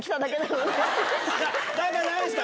何かないんですか？